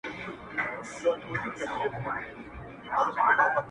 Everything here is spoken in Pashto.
وږمه ځي تر ارغوانه پښه نيولې٫